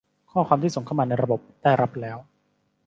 ข้อความที่ส่งเข้ามาในระบบได้รับแล้ว